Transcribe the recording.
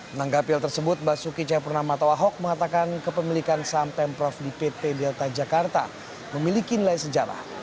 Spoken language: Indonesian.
menanggap hal tersebut basuki cayapurnama tawahok mengatakan kepemilikan saham temprov di pt delta jakarta memiliki nilai sejarah